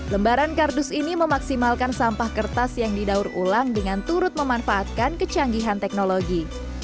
lembaran kardus ini memaksimalkan sampah kertas yang didaur ulang dengan turut memanfaatkan kecanggihan teknologi